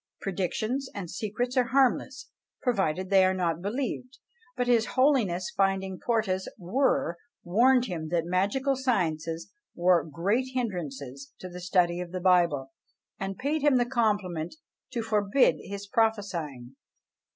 Predictions and secrets are harmless, provided they are not believed: but his Holiness finding Porta's were, warned him that magical sciences were great hindrances to the study of the Bible, and paid him the compliment to forbid his prophesying.